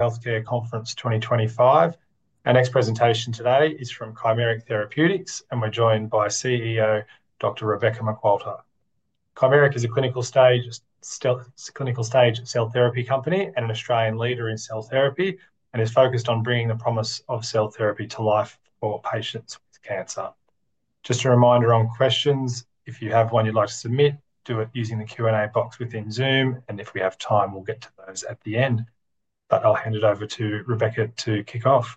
Healthcare Conference 2025. Our next presentation today is from Chimeric Therapeutics, and we're joined by CEO Dr. Rebecca McQualter. Chimeric is a clinical stage cell therapy company and an Australian leader in cell therapy, and is focused on bringing the promise of cell therapy to life for patients with cancer. Just a reminder on questions, if you have one you'd like to submit, do it using the Q&A box within Zoom, and if we have time, we'll get to those at the end. I will hand it over to Rebecca to kick off.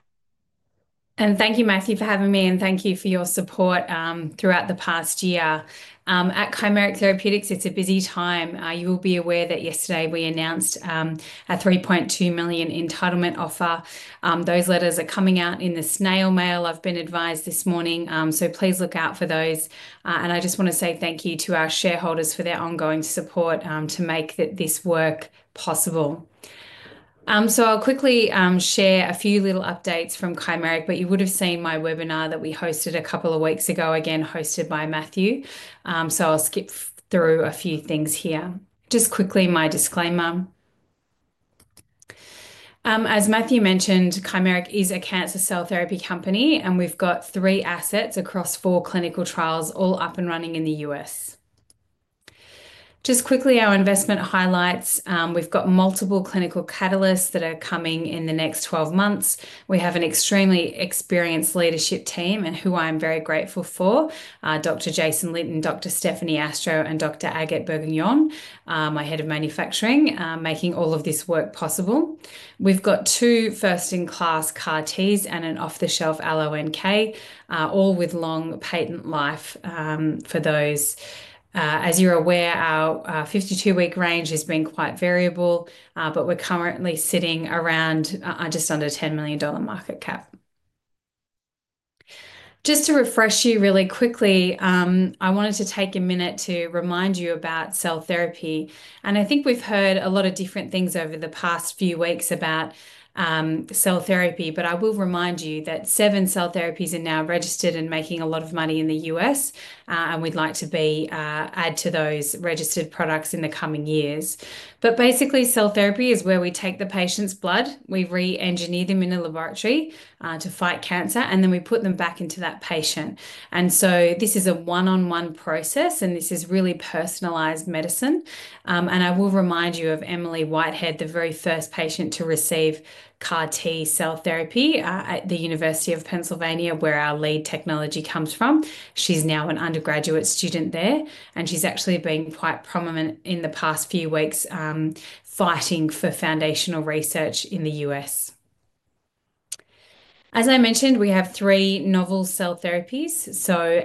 Thank you, Matthew, for having me, and thank you for your support throughout the past year. At Chimeric Therapeutics, it's a busy time. You will be aware that yesterday we announced an 3.2 million entitlement offer. Those letters are coming out in the snail mail. I've been advised this morning, so please look out for those. I just want to say thank you to our shareholders for their ongoing support to make this work possible. I'll quickly share a few little updates from Chimeric, but you would have seen my webinar that we hosted a couple of weeks ago, again hosted by Matthew. I'll skip through a few things here. Just quickly, my disclaimer. As Matthew mentioned, Chimeric is a cancer cell therapy company, and we've got three assets across four clinical trials, all up and running in the U.S. Just quickly, our investment highlights: we've got multiple clinical catalysts that are coming in the next 12 months. We have an extremely experienced leadership team, and who I'm very grateful for: Dr. Jason Litten, Dr. Stephanie Astrow, and Dr. Agathe Bourgogne, my Head of Manufacturing, making all of this work possible. We've got two first-in-class CAR-Ts and an off-the-shelf allo-NK, all with long patent life for those. As you're aware, our 52-week range has been quite variable, but we're currently sitting around just under 10 million dollar market cap. Just to refresh you really quickly, I wanted to take a minute to remind you about cell therapy. I think we've heard a lot of different things over the past few weeks about cell therapy. I will remind you that seven cell therapies are now registered and making a lot of money in the US, and we'd like to add to those registered products in the coming years. Basically, cell therapy is where we take the patient's blood, we re-engineer them in a laboratory to fight cancer, and then we put them back into that patient. This is a one-on-one process, and this is really personalized medicine. I will remind you of Emily Whitehead, the very first patient to receive CAR-T cell therapy at the University of Pennsylvania, where our lead technology comes from. She's now an undergraduate student there, and she's actually been quite prominent in the past few weeks fighting for foundational research in the U.S. As I mentioned, we have three novel cell therapies.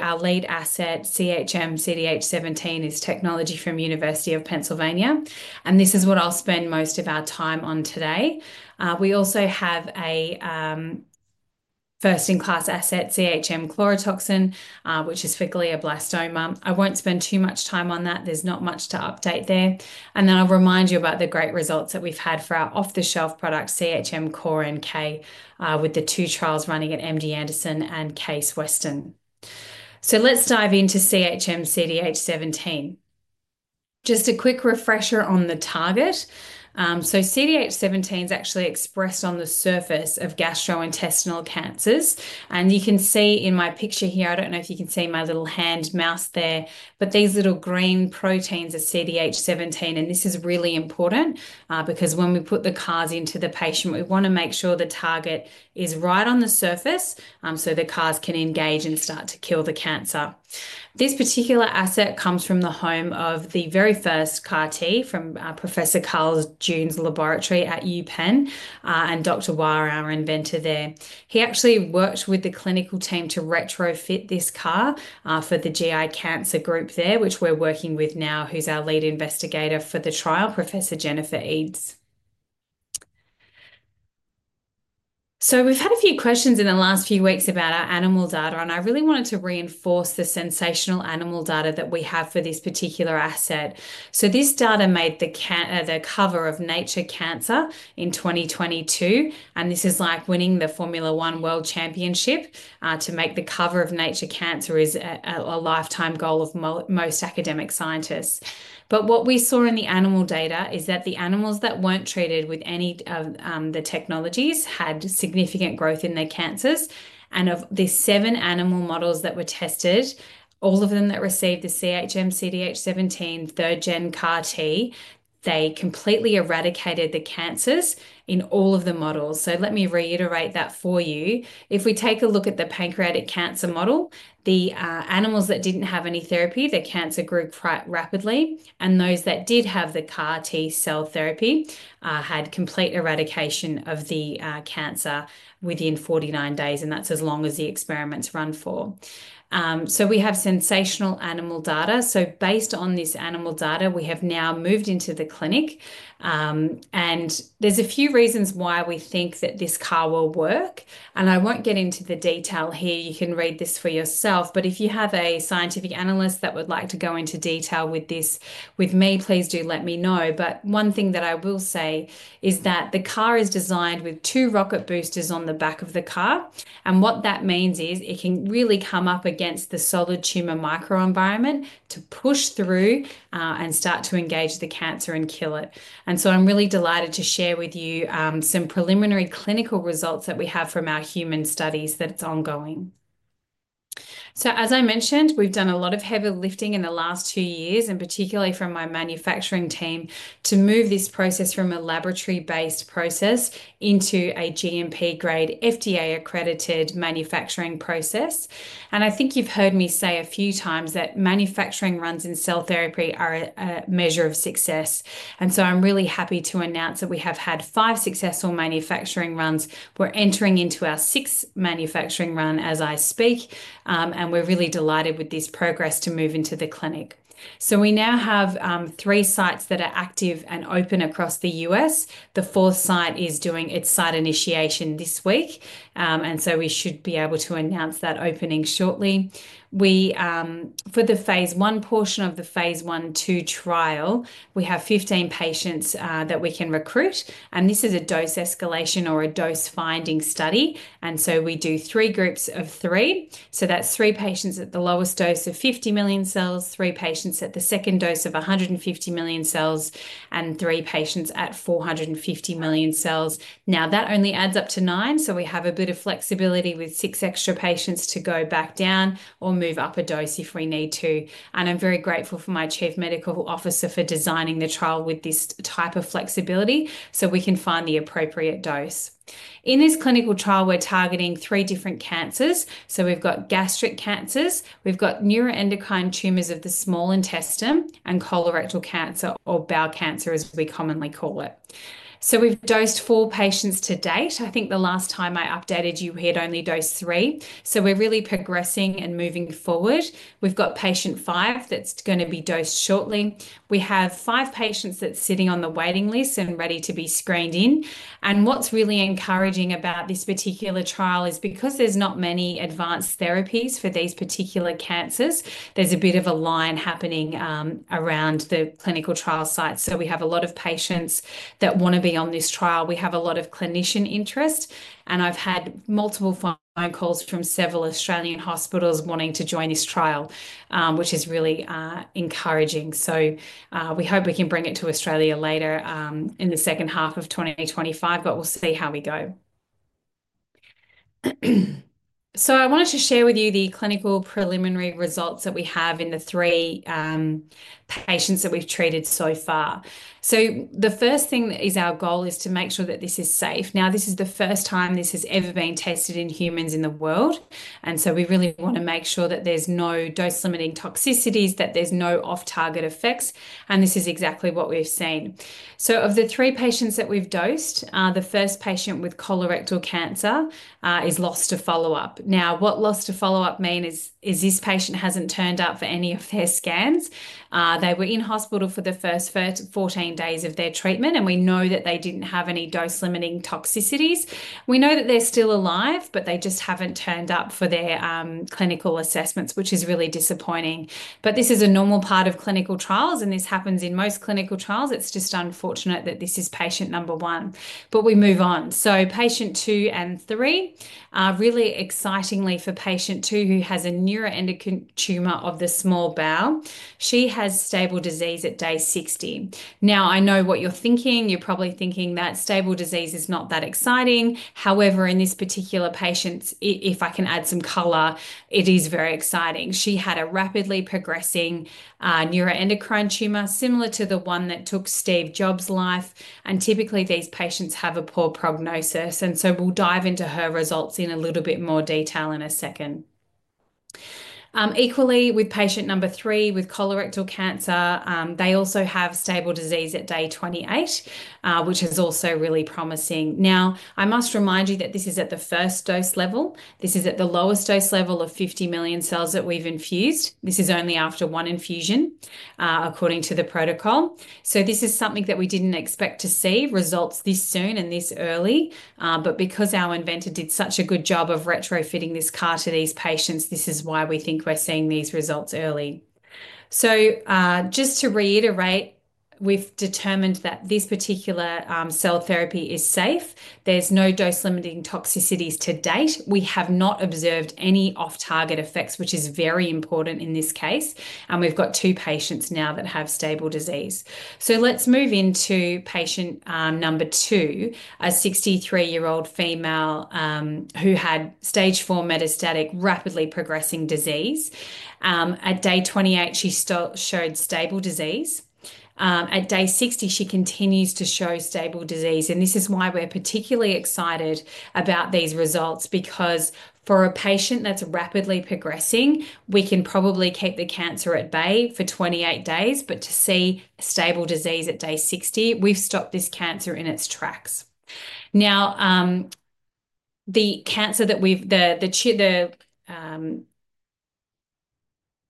Our lead asset, CHM CDH17, is technology from the University of Pennsylvania, and this is what I'll spend most of our time on today. We also have a first-in-class asset, CHM Chlorotoxin, which is for glioblastoma. I won't spend too much time on that. There's not much to update there. I'll remind you about the great results that we've had for our off-the-shelf product, CHM CORE-NK, with the two trials running at MD Anderson and Case Western. Let's dive into CHM CDH17. Just a quick refresher on the target. CDH17 is actually expressed on the surface of gastrointestinal cancers. You can see in my picture here, I don't know if you can see my little hand mouse there, but these little green proteins are CDH17, and this is really important because when we put the CARs into the patient, we want to make sure the target is right on the surface so the CARs can engage and start to kill the cancer. This particular asset comes from the home of the very first CAR-T from Professor Carl June's laboratory at University of Pennsylvania and Dr. Wei, our inventor there. He actually worked with the clinical team to retrofit this CAR for the GI cancer group there, which we're working with now, who's our lead investigator for the trial, Professor Jennifer Eads. We have had a few questions in the last few weeks about our animal data, and I really wanted to reinforce the sensational animal data that we have for this particular asset. This data made the cover of Nature Cancer in 2022, and this is like winning the Formula One World Championship to make the cover of Nature Cancer, a lifetime goal of most academic scientists. What we saw in the animal data is that the animals that were not treated with any of the technologies had significant growth in their cancers. Of the seven animal models that were tested, all of them that received the CHM CDH17 third-gen CAR-T completely eradicated the cancers in all of the models. Let me reiterate that for you. If we take a look at the pancreatic cancer model, the animals that did not have any therapy, their cancer grew quite rapidly, and those that did have the CAR-T cell therapy had complete eradication of the cancer within 49 days, and that is as long as the experiments run for. We have sensational animal data. Based on this animal data, we have now moved into the clinic, and there are a few reasons why we think that this CAR will work. I will not get into the detail here. You can read this for yourself, but if you have a scientific analyst that would like to go into detail with me, please do let me know. One thing that I will say is that the CAR is designed with two rocket boosters on the back of the CAR, and what that means is it can really come up against the solid tumor microenvironment to push through and start to engage the cancer and kill it. I am really delighted to share with you some preliminary clinical results that we have from our human studies that are ongoing. As I mentioned, we have done a lot of heavy lifting in the last two years, and particularly from my manufacturing team, to move this process from a laboratory-based process into a GMP-grade, FDA-accredited manufacturing process. I think you have heard me say a few times that manufacturing runs in cell therapy are a measure of success. I am really happy to announce that we have had five successful manufacturing runs. We're entering into our sixth manufacturing run as I speak, and we're really delighted with this progress to move into the clinic. We now have three sites that are active and open across the U.S. The fourth site is doing its site initiation this week, and we should be able to announce that opening shortly. For the phase I portion of the phase I/II trial, we have 15 patients that we can recruit, and this is a dose escalation or a dose finding study. We do three groups of three. That's three patients at the lowest dose of 50 million cells, three patients at the second dose of 150 million cells, and three patients at 450 million cells. Now that only adds up to nine, so we have a bit of flexibility with six extra patients to go back down or move up a dose if we need to. I am very grateful for my Chief Medical Officer for designing the trial with this type of flexibility so we can find the appropriate dose. In this clinical trial, we're targeting three different cancers. We have gastric cancers, we have neuroendocrine tumors of the small intestine, and colorectal cancer, or bowel cancer, as we commonly call it. We have dosed four patients to date. I think the last time I updated, you had only dosed three. We are really progressing and moving forward. We have patient five that is going to be dosed shortly. We have five patients that are sitting on the waiting list and ready to be screened in. What's really encouraging about this particular trial is because there's not many advanced therapies for these particular cancers, there's a bit of a line happening around the clinical trial site. We have a lot of patients that want to be on this trial. We have a lot of clinician interest, and I've had multiple phone calls from several Australian hospitals wanting to join this trial, which is really encouraging. We hope we can bring it to Australia later in the second half of 2025, but we'll see how we go. I wanted to share with you the clinical preliminary results that we have in the three patients that we've treated so far. The first thing is our goal is to make sure that this is safe. Now, this is the first time this has ever been tested in humans in the world, and we really want to make sure that there's no dose-limiting toxicities, that there's no off-target effects, and this is exactly what we've seen. Of the three patients that we've dosed, the first patient with colorectal cancer is lost to follow-up. What lost to follow-up means is this patient hasn't turned up for any of their scans. They were in hospital for the first 14 days of their treatment, and we know that they didn't have any dose-limiting toxicities. We know that they're still alive, but they just haven't turned up for their clinical assessments, which is really disappointing. This is a normal part of clinical trials, and this happens in most clinical trials. It's just unfortunate that this is patient number one, but we move on. Patient two and three, really excitingly for patient two who has a neuroendocrine tumor of the small bowel, she has stable disease at day 60. Now, I know what you're thinking. You're probably thinking that stable disease is not that exciting. However, in this particular patient, if I can add some color, it is very exciting. She had a rapidly progressing neuroendocrine tumor similar to the one that took Steve Jobs' life, and typically these patients have a poor prognosis. We will dive into her results in a little bit more detail in a second. Equally, with patient number three with colorectal cancer, they also have stable disease at day 28, which is also really promising. I must remind you that this is at the first dose level. This is at the lowest dose level of 50 million cells that we've infused. This is only after one infusion, according to the protocol. This is something that we didn't expect to see results this soon and this early, but because our inventor did such a good job of retrofitting this CAR to these patients, this is why we think we're seeing these results early. Just to reiterate, we've determined that this particular cell therapy is safe. There's no dose-limiting toxicities to date. We have not observed any off-target effects, which is very important in this case, and we've got two patients now that have stable disease. Let's move into patient number two, a 63-year-old female who had stage four metastatic rapidly progressing disease. At day 28, she showed stable disease. At day 60, she continues to show stable disease, and this is why we're particularly excited about these results, because for a patient that's rapidly progressing, we can probably keep the cancer at bay for 28 days, but to see stable disease at day 60, we've stopped this cancer in its tracks. The cancer that we've—the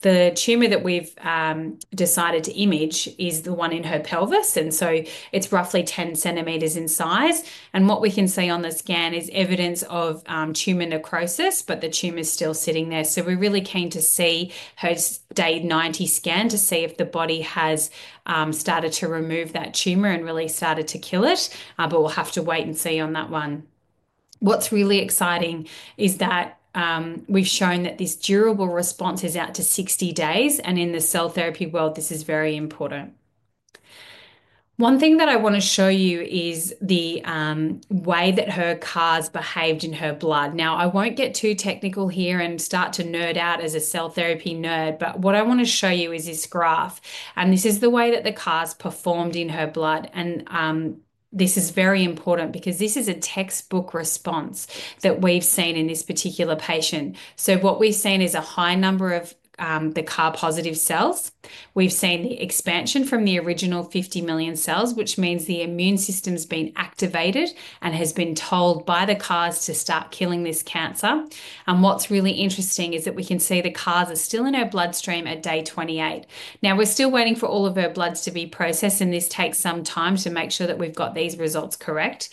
tumor that we've decided to image is the one in her pelvis, and it is roughly 10 centimeters in size. What we can see on the scan is evidence of tumor necrosis, but the tumor is still sitting there. We are really keen to see her day 90 scan to see if the body has started to remove that tumor and really started to kill it, but we'll have to wait and see on that one. What's really exciting is that we've shown that this durable response is out to 60 days, and in the cell therapy world, this is very important. One thing that I want to show you is the way that her CARs behaved in her blood. Now, I won't get too technical here and start to nerd out as a cell therapy nerd, but what I want to show you is this graph, and this is the way that the CARs performed in her blood. This is very important because this is a textbook response that we've seen in this particular patient. What we've seen is a high number of the CAR-positive cells. We've seen the expansion from the original 50 million cells, which means the immune system's been activated and has been told by the CARs to start killing this cancer. What's really interesting is that we can see the CARs are still in her bloodstream at day 28. We're still waiting for all of her bloods to be processed, and this takes some time to make sure that we've got these results correct.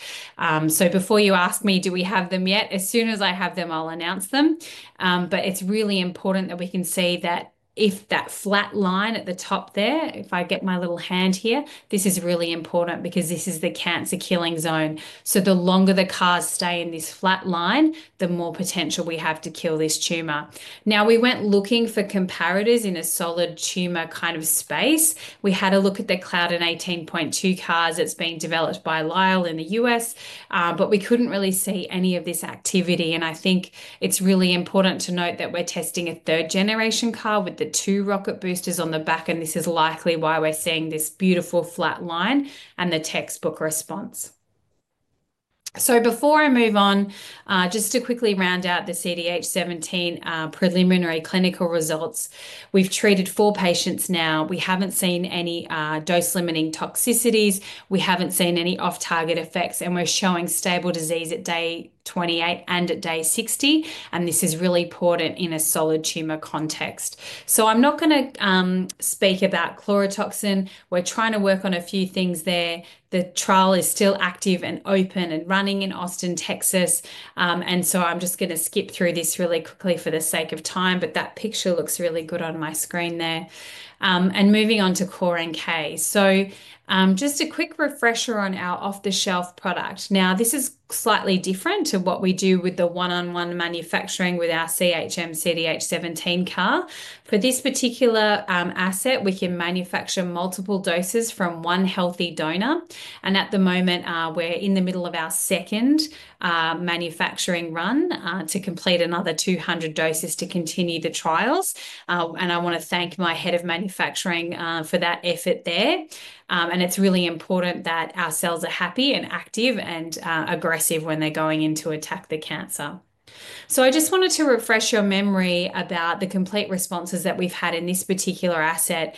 Before you ask me, do we have them yet? As soon as I have them, I'll announce them. It's really important that we can see that if that flat line at the top there, if I get my little hand here, this is really important because this is the cancer killing zone. The longer the CARs stay in this flat line, the more potential we have to kill this tumor. We went looking for comparators in a solid tumor kind of space. We had a look at the Claudin 18.2 CARs that's been developed by Lyell in the U.S., but we couldn't really see any of this activity. I think it's really important to note that we're testing a third-generation CAR with the two rocket boosters on the back, and this is likely why we're seeing this beautiful flat line and the textbook response. Before I move on, just to quickly round out the CDH17 preliminary clinical results, we've treated four patients now. We haven't seen any dose-limiting toxicities, we haven't seen any off-target effects, and we're showing stable disease at day 28 and at day 60, and this is really important in a solid tumor context. I'm not going to speak about chlorotoxin. We're trying to work on a few things there. The trial is still active and open and running in Austin, Texas, and I'm just going to skip through this really quickly for the sake of time, but that picture looks really good on my screen there. Moving on to CORE-NK. Just a quick refresher on our off-the-shelf product. Now, this is slightly different to what we do with the one-on-one manufacturing with our CHM CDH17 CAR. For this particular asset, we can manufacture multiple doses from one healthy donor, and at the moment, we're in the middle of our second manufacturing run to complete another 200 doses to continue the trials. I want to thank my Head of Manufacturing for that effort there, and it's really important that our cells are happy and active and aggressive when they're going in to attack the cancer. I just wanted to refresh your memory about the complete responses that we've had in this particular asset.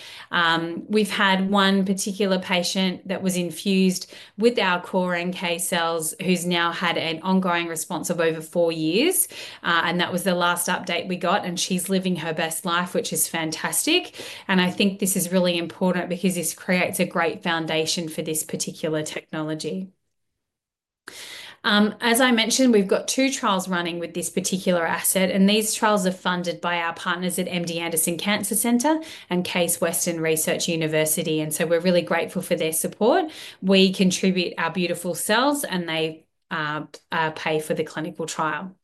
We've had one particular patient that was infused with our CORE-NK cells who's now had an ongoing response of over four years, and that was the last update we got, and she's living her best life, which is fantastic. I think this is really important because this creates a great foundation for this particular technology. As I mentioned, we've got two trials running with this particular asset, and these trials are funded by our partners at MD Anderson Cancer Center and Case Western Reserve University, and we're really grateful for their support. We contribute our beautiful cells, and they pay for the clinical trial.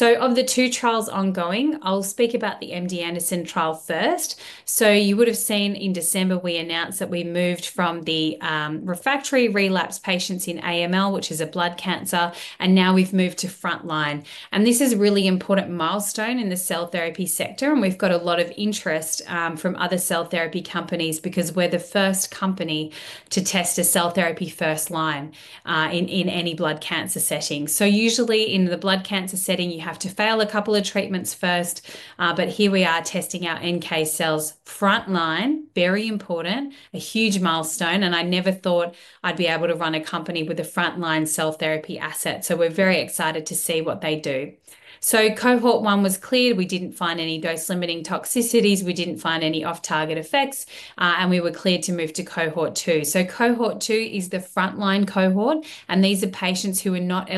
Of the two trials ongoing, I'll speak about the MD Anderson trial first. You would have seen in December, we announced that we moved from the refractory relapse patients in AML, which is a blood cancer, and now we've moved to frontline. This is a really important milestone in the cell therapy sector, and we've got a lot of interest from other cell therapy companies because we're the first company to test a cell therapy first line in any blood cancer setting. Usually in the blood cancer setting, you have to fail a couple of treatments first, but here we are testing our NK cells frontline, very important, a huge milestone, and I never thought I'd be able to run a company with a frontline cell therapy asset. We're very excited to see what they do. Cohort one was cleared. We didn't find any dose-limiting toxicities. We didn't find any off-target effects, and we were cleared to move to cohort two. Cohort two is the frontline cohort, and these are patients who are not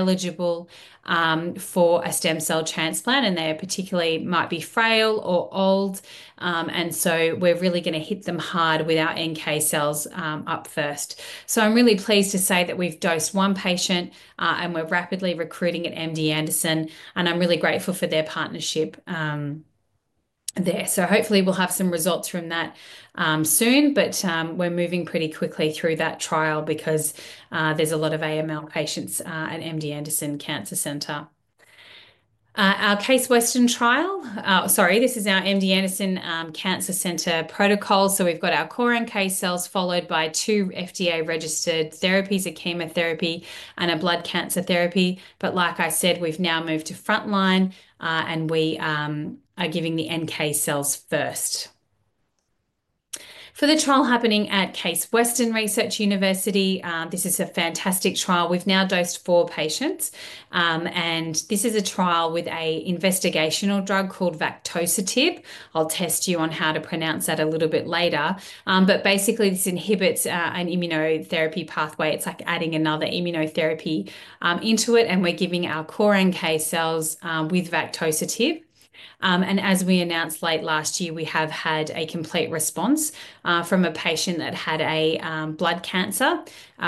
eligible for a stem cell transplant, and they particularly might be frail or old, and we are really going to hit them hard with our NK cells up first. I'm really pleased to say that we've dosed one patient, and we're rapidly recruiting at MD Anderson, and I'm really grateful for their partnership there. Hopefully we'll have some results from that soon, but we're moving pretty quickly through that trial because there's a lot of AML patients at MD Anderson Cancer Center. Our Case Western trial—sorry, this is our MD Anderson Cancer Center protocol. We've got our CORE-NK cells followed by two FDA-registered therapies, a chemotherapy and a blood cancer therapy. Like I said, we've now moved to frontline, and we are giving the NK cells first. For the trial happening at Case Western Reserve University, this is a fantastic trial. We've now dosed four patients, and this is a trial with an investigational drug called Vactosertib. I'll test you on how to pronounce that a little bit later, but basically this inhibits an immunotherapy pathway. It's like adding another immunotherapy into it, and we're giving our CORE-NK cells with Vactosertib. As we announced late last year, we have had a complete response from a patient that had a blood cancer.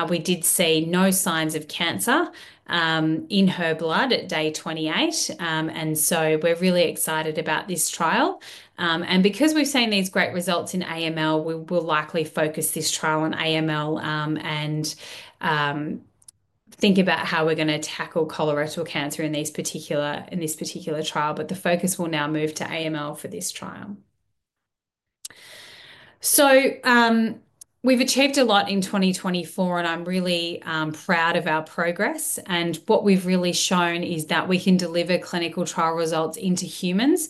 We did see no signs of cancer in her blood at day 28, and so we're really excited about this trial. Because we've seen these great results in AML, we will likely focus this trial on AML and think about how we're going to tackle colorectal cancer in this particular trial, but the focus will now move to AML for this trial. We've achieved a lot in 2024, and I'm really proud of our progress. What we've really shown is that we can deliver clinical trial results into humans.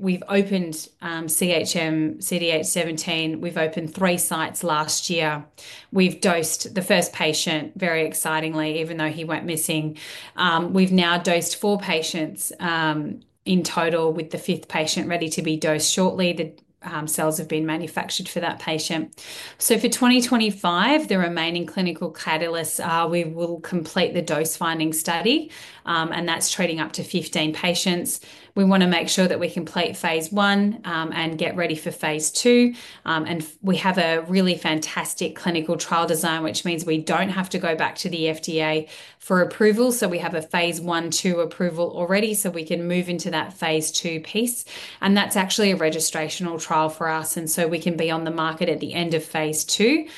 We've opened CHM CDH17. We've opened three sites last year. We've dosed the first patient very excitingly, even though he went missing. We've now dosed four patients in total, with the fifth patient ready to be dosed shortly. The cells have been manufactured for that patient. For 2025, the remaining clinical catalysts, we will complete the dose-finding study, and that's treating up to 15 patients. We want to make sure that we complete phase I and get ready for phase II. We have a really fantastic clinical trial design, which means we do not have to go back to the FDA for approval. We have a phase I/II approval already, so we can move into that phase II piece. That is actually a registrational trial for us, and we can be on the market at the end of phase II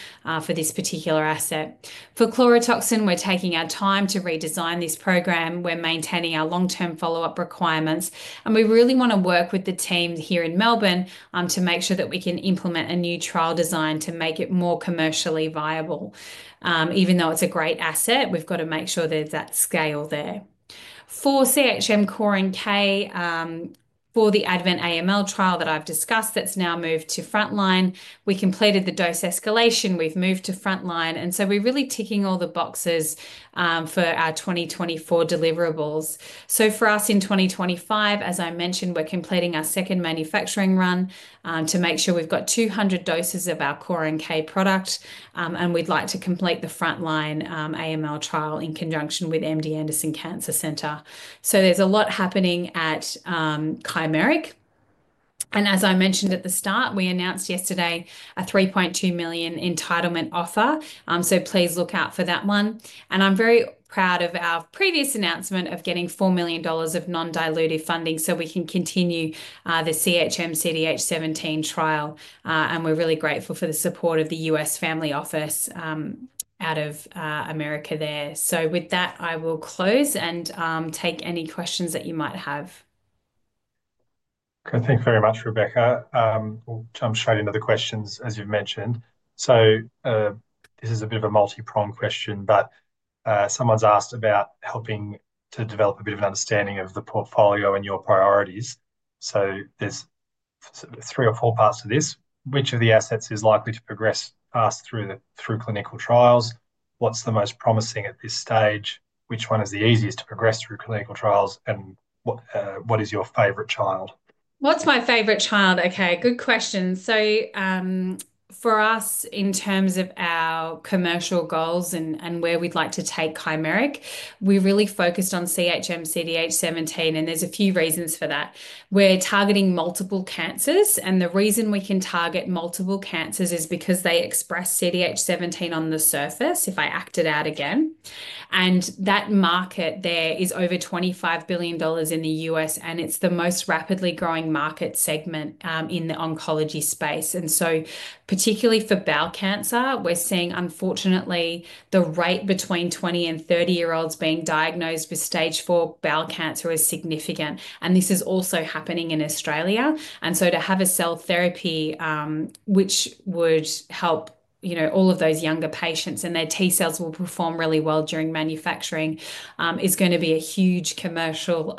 for this particular asset. For chlorotoxin, we are taking our time to redesign this program. We are maintaining our long-term follow-up requirements, and we really want to work with the team here in Melbourne to make sure that we can implement a new trial design to make it more commercially viable. Even though it is a great asset, we have to make sure there is that scale there. For CHM CORE-NK, for the advanced AML trial that I've discussed that's now moved to frontline, we completed the dose escalation. We've moved to frontline, and we're really ticking all the boxes for our 2024 deliverables. For us in 2025, as I mentioned, we're completing our second manufacturing run to make sure we've got 200 doses of our CORE-NK product, and we'd like to complete the frontline AML trial in conjunction with MD Anderson Cancer Center. There's a lot happening at Chimeric. As I mentioned at the start, we announced yesterday an 3.2 million entitlement offer, so please look out for that one. I'm very proud of our previous announcement of getting 4 million dollars of non-dilutive funding so we can continue the CHM CDH17 trial, and we're really grateful for the support of the U.S. Family Office out of America there. With that, I will close and take any questions that you might have. Okay, thanks very much, Rebecca. We'll jump straight into the questions, as you've mentioned. This is a bit of a multi-pronged question, but someone's asked about helping to develop a bit of an understanding of the portfolio and your priorities. There are three or four parts to this. Which of the assets is likely to progress fast through clinical trials? What's the most promising at this stage? Which one is the easiest to progress through clinical trials? What is your favorite child? What's my favorite child? Good question. For us, in terms of our commercial goals and where we'd like to take Chimeric, we really focused on CHM CDH17, and there's a few reasons for that. We're targeting multiple cancers, and the reason we can target multiple cancers is because they express CDH17 on the surface, if I act it out again. That market there is over $25 billion in the U.S., and it's the most rapidly growing market segment in the oncology space. Particularly for bowel cancer, we're seeing, unfortunately, the rate between 20- and 30-year-olds being diagnosed with stage four bowel cancer is significant, and this is also happening in Australia. To have a cell therapy which would help all of those younger patients and their T cells will perform really well during manufacturing is going to be a huge commercial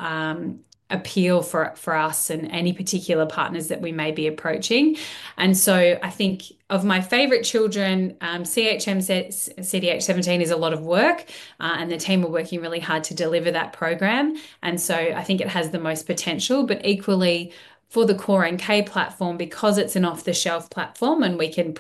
appeal for us and any particular partners that we may be approaching. I think of my favorite children, CHM CDH17 is a lot of work, and the team are working really hard to deliver that program. I think it has the most potential, but equally for the CORE-NK platform, because it's an off-the-shelf platform and we can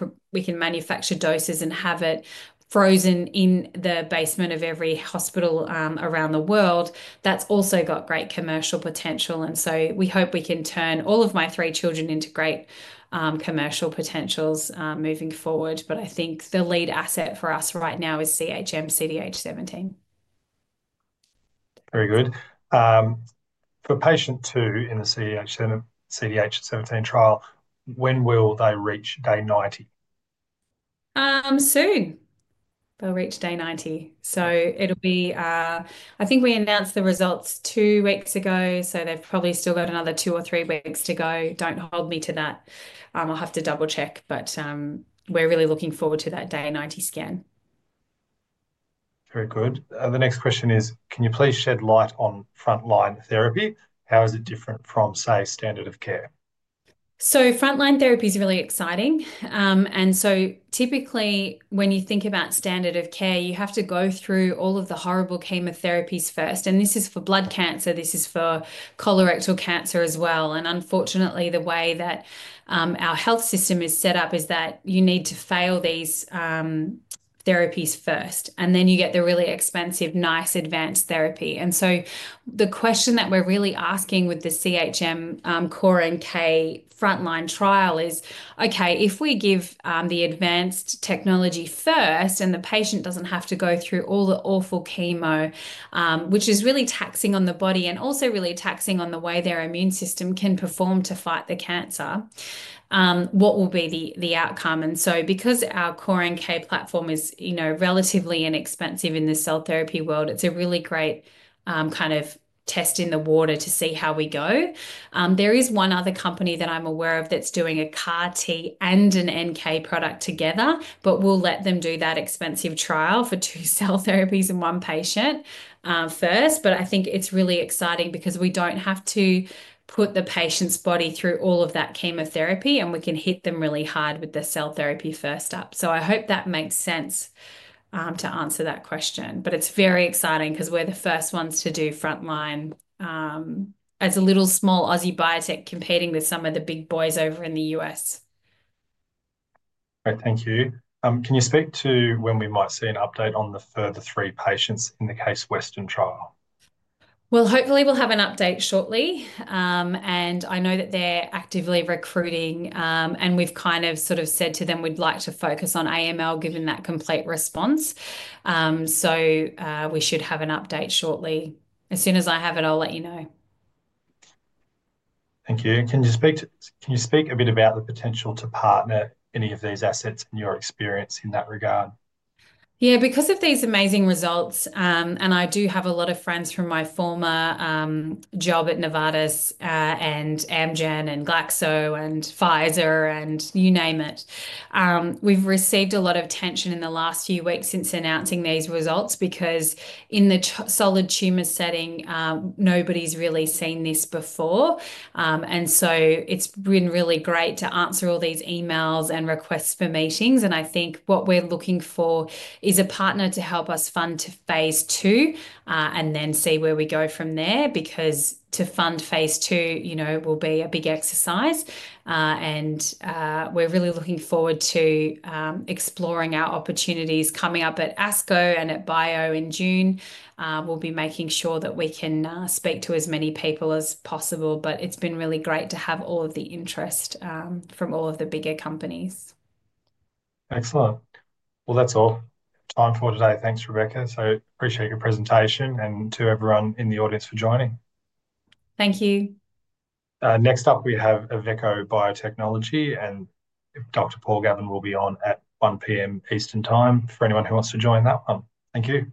manufacture doses and have it frozen in the basement of every hospital around the world, that's also got great commercial potential. We hope we can turn all of my three children into great commercial potentials moving forward, but I think the lead asset for us right now is CHM CDH17. Very good. For patient two in the CDH17 trial, when will they reach day 90? Soon. They'll reach day 90. I think we announced the results two weeks ago, so they've probably still got another two or three weeks to go. Don't hold me to that. I'll have to double-check, but we're really looking forward to that day 90 scan. Very good. The next question is, can you please shed light on frontline therapy? How is it different from, say, standard of care? Frontline therapy is really exciting. Typically, when you think about standard of care, you have to go through all of the horrible chemotherapies first. This is for blood cancer. This is for colorectal cancer as well. Unfortunately, the way that our health system is set up is that you need to fail these therapies first, and then you get the really expensive, nice advanced therapy. The question that we're really asking with the CHM CORE-NK frontline trial is, okay, if we give the advanced technology first and the patient doesn't have to go through all the awful chemo, which is really taxing on the body and also really taxing on the way their immune system can perform to fight the cancer, what will be the outcome? Because our CORE-NK platform is relatively inexpensive in the cell therapy world, it's a really great kind of test in the water to see how we go. There is one other company that I'm aware of that's doing a CAR-T and an NK product together, but we'll let them do that expensive trial for two cell therapies and one patient first. I think it's really exciting because we don't have to put the patient's body through all of that chemotherapy, and we can hit them really hard with the cell therapy first up. I hope that makes sense to answer that question, but it's very exciting because we're the first ones to do frontline as a little small Aussie biotech competing with some of the big boys over in the U.S. All right, thank you. Can you speak to when we might see an update on the further three patients in the Case Western trial? Hopefully we'll have an update shortly. I know that they're actively recruiting, and we've kind of sort of said to them we'd like to focus on AML given that complete response. We should have an update shortly. As soon as I have it, I'll let you know. Thank you. Can you speak a bit about the potential to partner any of these assets in your experience in that regard? Yeah, because of these amazing results, and I do have a lot of friends from my former job at Novartis and Amgen and Glaxo and Pfizer and you name it, we've received a lot of attention in the last few weeks since announcing these results because in the solid tumor setting, nobody's really seen this before. It's been really great to answer all these emails and requests for meetings. I think what we're looking for is a partner to help us fund to phase II and then see where we go from there because to fund phase II will be a big exercise. We're really looking forward to exploring our opportunities coming up at ASCO and at BIO in June. We'll be making sure that we can speak to as many people as possible, but it's been really great to have all of the interest from all of the bigger companies. Excellent. That is all time for today. Thanks, Rebecca. So appreciate your presentation and to everyone in the audience for joining. Thank you. Next up, we have Avecho Biotechnology, and Dr. Paul Gavin will be on at 1:00 P.M. Eastern Time for anyone who wants to join that one. Thank you.